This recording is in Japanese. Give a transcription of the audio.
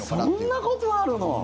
そんなことあるの？